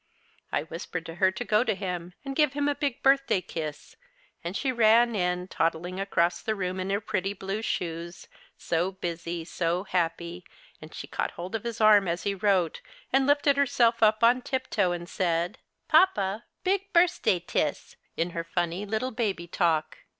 T whispered to her to go to him and give him a big birth day kiss, and she ran in, toddling across the room in her pretty Ijlue shoes, so busy, so happy, and she caught hold of his arm as he wrote, and lifted herself up on tiptoe, and said, ' Papa, big birsday tiss,' in her funny little baby talk.